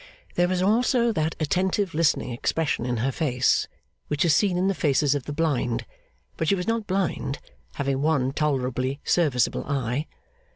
There was also that attentive listening expression in her face, which is seen in the faces of the blind; but she was not blind, having one tolerably serviceable eye.